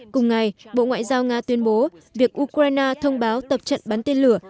cùng ngày bộ ngoại giao nga tuyên bố việc ukraine thông báo tập trận bắn tên lửa